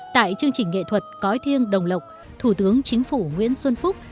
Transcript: tại chương trình nghệ thuật cói thiêng đồng lộc thủ tướng chính phủ nguyễn xuân phúc